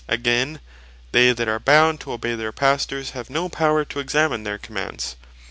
Again, they that are bound to obey, their Pastors, have no power to examine their commands.